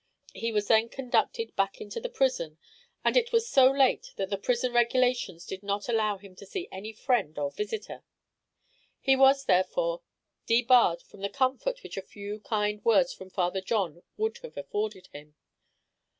He was then conducted back into the prison, and it was so late that the prison regulations did not allow him to see any friend or visitor; he was, therefore, debarred from the comfort which a few kind words from Father John would have afforded him.